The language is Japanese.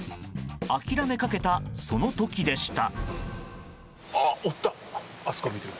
諦めかけた、その時でした。